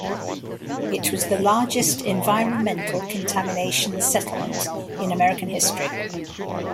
It was the largest environmental contamination settlement in American history.